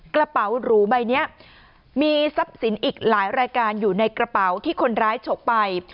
กระเป๋าหรูใบนี้มีทรัพย์สินอีกหลายรายการอยู่ในกระเป๋าที่คนร้ายฉกไป